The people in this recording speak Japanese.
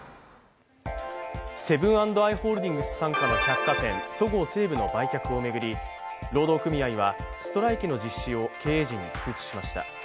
セブン＆アイ・ホールディングス傘下の百貨店、そごう・西武の売却を巡り労働組合は経営陣に通知しました。